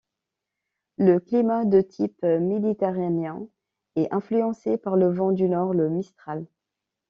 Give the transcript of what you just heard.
Le climat, de type méditerranéen, est influencé par le vent du nord, le mistral.